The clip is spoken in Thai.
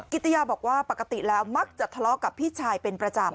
ิตยาบอกว่าปกติแล้วมักจะทะเลาะกับพี่ชายเป็นประจำ